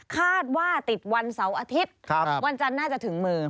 ว่าติดวันเสาร์อาทิตย์วันจันทร์น่าจะถึงมือ